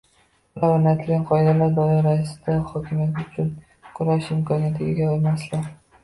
ular o‘rnatilgan qoidalar doirasida hokimiyat uchun kurashish imkoniyatiga ega emaslar.